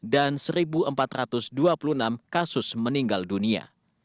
dan satu empat ratus dua puluh enam kasus meninggal dunia